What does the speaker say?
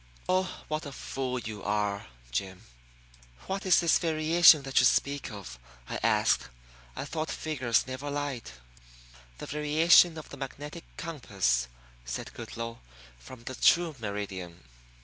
Oh, what a fool you are, Jim!" "What is this variation that you speak of?" I asked. "I thought figures never lied." "The variation of the magnetic compass," said Goodloe, "from the true meridian."